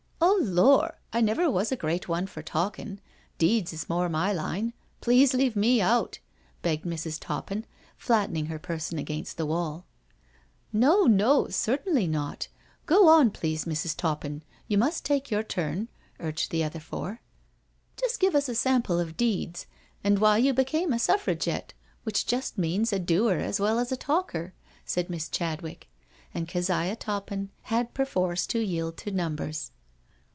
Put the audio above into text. " Oh, Lor*, I never was a great one for talkin' — deeds is more my line — please leave me out," begged Mrs. Toppin, flattening her person against the wall. No, no— certainly not — go on, please Mrs. Toppin, you must take your turn," urged the other four. " Just give us a sample of deeds — ^and why you be came a 'Suffragette, which just means a doer as well as a talker," said Miss Chadwick. And Keziah Toppin had perforce to yield to numbers.